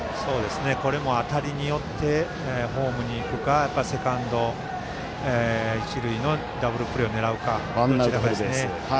これも当たりによってホームに行くかセカンド、一塁のダブルプレーを狙うか。